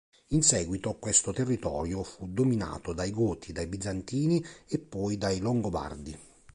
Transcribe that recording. In seguito questo territorio fu dominato dai Goti, dai Bizantini e poi dai Longobardi.